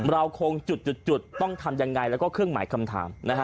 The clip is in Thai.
เราคงจุดต้องทำยังไงแล้วก็เครื่องหมายคำถามนะฮะ